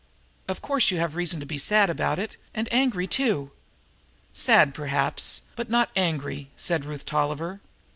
"Of course you have reason to be sad about it and angry, too." "Sad, perhaps, but not angry," said Ruth Tolliver.